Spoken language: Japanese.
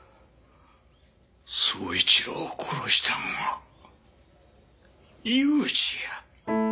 宗一郎を殺したのは裕二や！